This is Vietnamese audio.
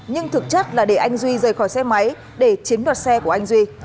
nhưng thực chất là để anh duy rời khỏi xe máy để chiếm đoạt xe của anh duy